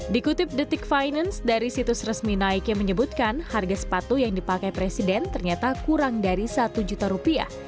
dikutip detik finance dari situs resmi nike menyebutkan harga sepatu yang dipakai presiden ternyata kurang dari satu juta rupiah